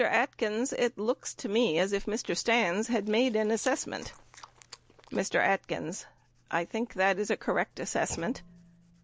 Atkins, it looks to me as if Mr. Stans had made an assessment. Mr. Atkins. I think that is a correct assessment.